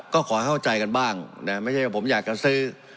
ก็ขอเข้าใจกันบ้างนะไม่ใช่ว่าผมอยากจะซื้อ